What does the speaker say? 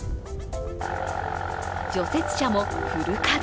除雪車もフル稼働。